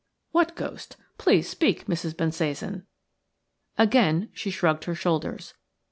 "What ghost? Please speak, Mrs. Bensasan." Again she shrugged her shoulders.